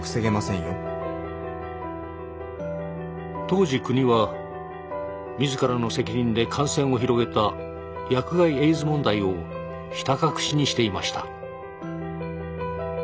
当時国は自らの責任で感染を広げた薬害エイズ問題をひた隠しにしていました。